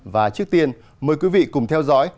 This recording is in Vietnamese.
và trước tiên mời quý vị cùng theo dõi